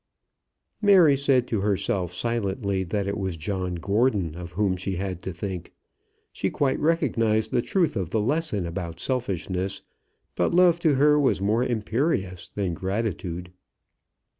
Mary said to herself silently that it was John Gordon of whom she had to think. She quite recognised the truth of the lesson about selfishness; but love to her was more imperious than gratitude.